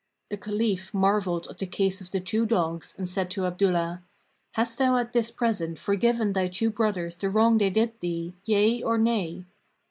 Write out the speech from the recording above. The Caliph marvelled at the case of the two dogs and said to Abdullah, "Hast thou at this present forgiven thy two brothers the wrong they did thee, yea or nay?"